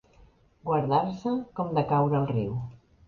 Guardar-se com de caure al riu.